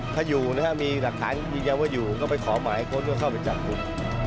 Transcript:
ถ้าอยู่มีหลักฐานยืนยังว่าอยู่ก็ไปขอหมายคนก็เข้าไปจับคุณ